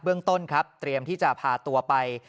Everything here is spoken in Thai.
เรื่องต้นครับเตรียมที่จะพาตัวไป